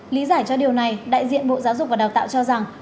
lý giải cho điều này đại diện bộ giáo dục và đào tạo cho rằng